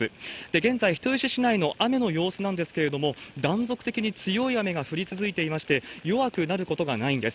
現在、人吉市内の雨の様子なんですけれども、断続的に強い雨が降り続いていまして、弱くなることがないんです。